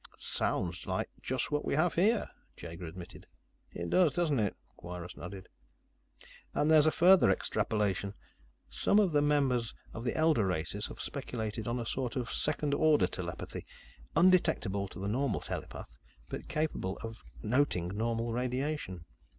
"Sounds like just what we have here," Jaeger admitted. "It does, doesn't it?" Kweiros nodded. "And there's a further extrapolation. Some of the members or the elder races have speculated on a sort of second order telepathy, undetectable to the normal telepath, but capable of noting normal radiation.